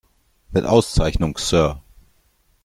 Mit Auszeichnung, Sir!